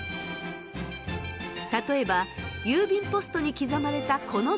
例えば郵便ポストに刻まれたこの紋章。